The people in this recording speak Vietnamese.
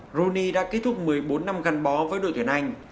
bruni đã kết thúc một mươi bốn năm gắn bó với đội tuyển anh